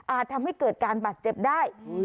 ทำให้เกิดการบาดเจ็บได้